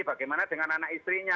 bagaimana dengan anak istrinya